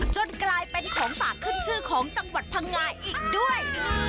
จนกลายเป็นของฝากขึ้นชื่อของจังหวัดพังงาอีกด้วย